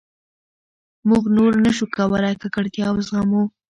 موږ نور نه شو کولای ککړتیا وزغمو.